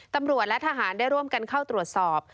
ตำรวจและทหารได้ร่วมกันเข้าตรวจสอบ